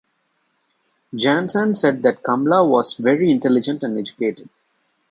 Janssen said that Kamala was "very intelligent and educated".